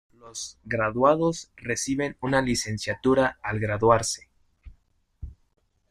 Los graduados reciben una licenciatura al graduarse.